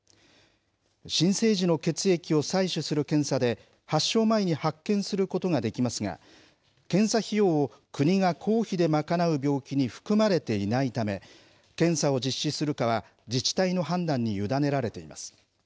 新生児の血液を採取する検査で発症前に発見することができますが検査費用を国が公費で賄う病気に含まれていないため検査を実施するかは自治体の判断に委ねられています。